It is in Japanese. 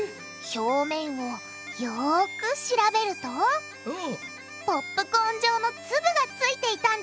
表面をよく調べるとポップコーン状の粒がついていたんですって！